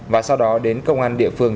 và sau đó đến công an địa phương